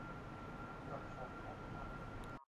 پیشرفت کردن